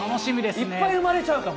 いっぱい生まれちゃうかも。